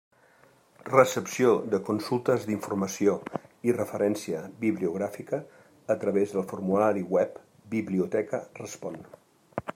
Recepció de consultes d'informació i referència bibliogràfica a través del formulari web «Biblioteca respon».